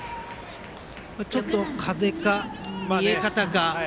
ちょっと風か、見え方か。